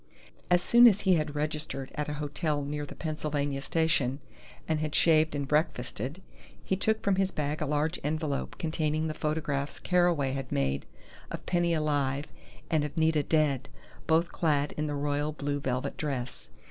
As soon as he had registered at a hotel near the Pennsylvania Station, and had shaved and breakfasted, he took from his bag a large envelope containing the photographs Carraway had made of Penny alive and of Nita dead, both clad in the royal blue velvet dress.